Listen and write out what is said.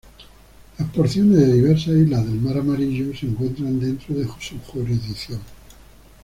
Las porciones de diversas islas del Mar Amarillo se encuentran dentro de su jurisdicción.